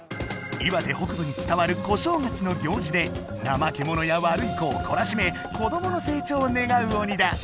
岩手北部に伝わる小正月の行事でなまけものや悪い子をこらしめこどもの成長を願うおにだ。